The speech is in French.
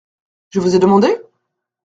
Je vous ai demandé ?